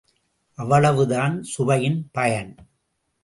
அவ்வளவுதான் சுவையின் பயன்.